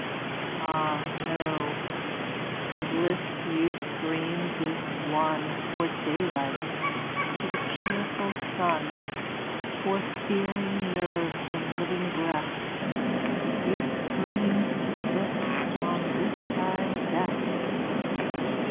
Ah no, the bliss youth dreams is one For daylight, for the cheerful sun, For feeling nerves and living breath Youth dreams a bliss on this side death.